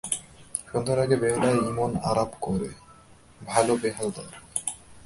সন্ধ্যার আগে বেহালায় ইমন আলাপ করে, ভালো বেহালদার।